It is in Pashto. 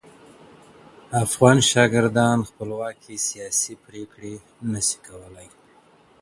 افغان شاګردان خپلواکي سیاسي پریکړي نه سي کولای.